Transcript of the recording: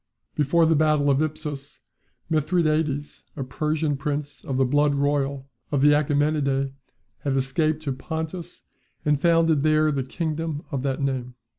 Before the battle of Ipsus, Mithridates, a Persian prince of the blood royal of the Achaemenidae, had escaped to Pontus, and founded there the kingdom of that name.